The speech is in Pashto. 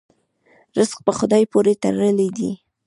رزق په خدای پورې تړلی دی.